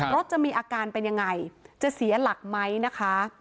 รถจะมีอาการเป็นยังไงจะเสียหลักไหมนะคะ